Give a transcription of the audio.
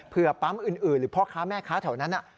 เพื่อปั๊มอื่นหรือพ่อค้าแม่ค้าแถวนั้น